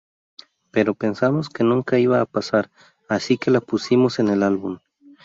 Pero pensamos que nunca iba a pasar, así que la pusimos en el álbum".